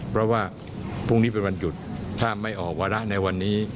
เพราะว่าพรุ่งนี้เป็นวันหยุดถ้าไม่ออกวาระในวันนี้